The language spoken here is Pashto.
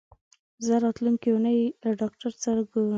زه راتلونکې اونۍ له ډاکټر سره ګورم.